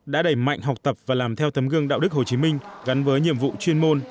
đã đẩy mạnh học tập và làm theo tấm gương đạo đức hồ chí minh gắn với nhiệm vụ chuyên môn